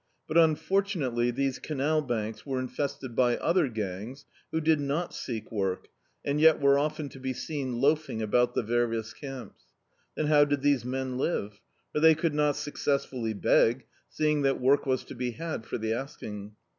But unfortunately these canal banks were infested by other gangs, who did not seek work, and yet were often to be seen loafing about the various camps. Then how did these men live? For they could not successfully beg, seeing that work was to be had for the asking.